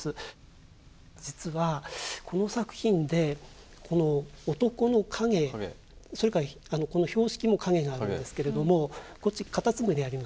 実はこの作品でこの男の影それからこの標識も影があるんですけれどもこっちカタツムリありますよね。